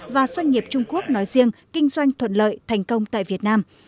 và doanh nghiệp trung quốc nói riêng kinh doanh thuận lợi thành công tại việt nam